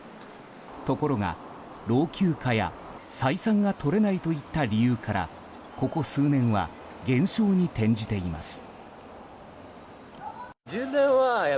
ところが、老朽化や採算がとれないといった理由からここ数年は減少に転じています。